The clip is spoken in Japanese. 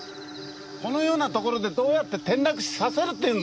このようなところでどうやって転落死させるっていうんですか！